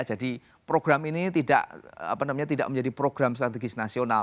jadi program ini tidak apa namanya tidak menjadi program strategis nasional